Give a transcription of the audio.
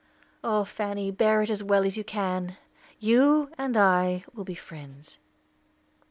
"Oh, Fanny, bear it as well as you can! You and I will be friends."